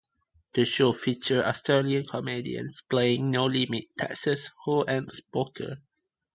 The show featured Australian comedians playing no-limit Texas hold'em poker.